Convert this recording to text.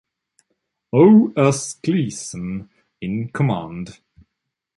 O. S. Glisson in command.